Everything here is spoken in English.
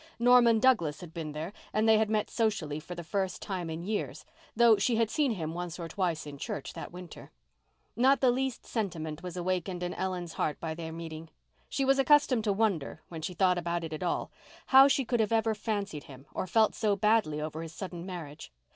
Norman Douglas had been there and they had met socially for the first time in years, though she had seen him once or twice in church that winter. Not the least sentiment was awakened in Ellen's heart by their meeting. She was accustomed to wonder, when she thought about it at all, how she could ever have fancied him or felt so badly over his sudden marriage.